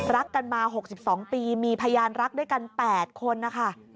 รักกันมา๖๒ปีมีพยานรักด้วยกัน๘คนนะคะ